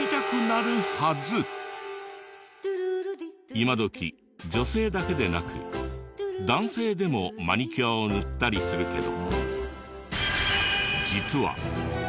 今どき女性だけでなく男性でもマニキュアを塗ったりするけど。